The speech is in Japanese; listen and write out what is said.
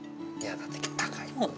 だって高いもんね。